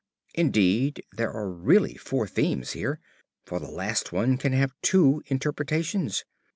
Indeed, there are really four themes here, for the last one can have two interpretations.